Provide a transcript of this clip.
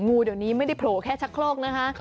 งูเดี๋ยวนี้ไม่ได้โผล่แค่ชักโครกนะคะ